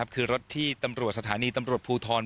คือรถที่ฐานสถานีตำรวจภูทธร